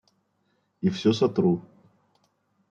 И все сотру!